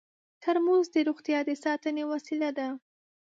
ترموز د روغتیا د ساتنې وسیله ده.